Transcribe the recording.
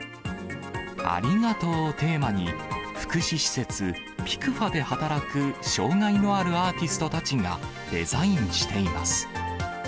ありがとうをテーマに、福祉施設、ピクファで働く障がいのあるアーティストたちがデザインしています。